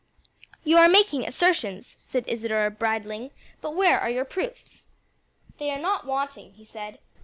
"You are making assertions," said Isadore bridling, "but where are your proofs?" "They are not wanting," he said.